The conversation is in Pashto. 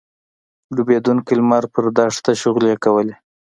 ډوبېدونکی لمر پر دښته شغلې کولې.